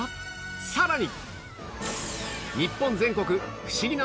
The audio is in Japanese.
さらに！